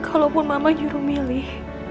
kalaupun mama nyuruh milih